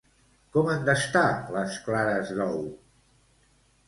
Com han d'estar les clares d'ou?